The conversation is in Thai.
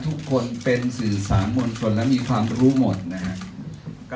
ทุกคนเป็นสื่อสารมวลชนและมีความรู้หมดนะครับ